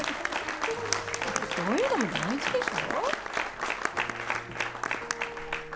そういうのも大事でしょ